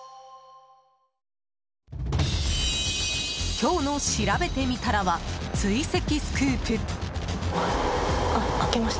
今日のしらべてみたらは追跡スクープ。